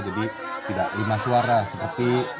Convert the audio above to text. jadi tidak lima suara seperti